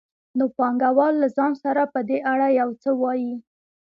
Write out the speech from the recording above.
نو پانګوال له ځان سره په دې اړه یو څه وايي